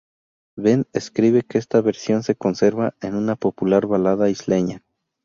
Bent escribe que esta versión se conservaba en una popular balada isleña.